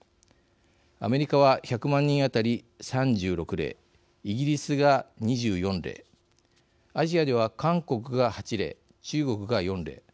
アメリカは、１００万人当たり３６例、イギリスが２４例アジアでは韓国が８例、中国が４例。